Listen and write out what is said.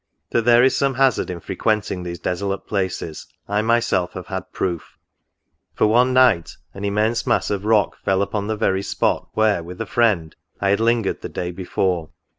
That there is some hazard in frequenting these desolate places, I myself have had proof; for one night an immense mass of rock fell upon the very spot where, with a friend, I had lingered the day before.